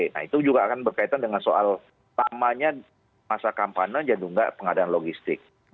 nah itu juga akan berkaitan dengan soal lamanya masa kampanye dan juga pengadaan logistik